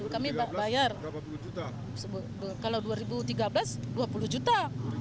kalau dua ribu tiga belas dua puluh juta